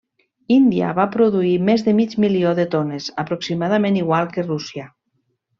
Índia va produir més de mig milió de tones, aproximadament igual que Rússia.